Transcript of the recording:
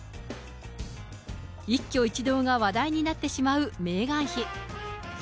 一挙一動が話題になってしまうメーガン妃。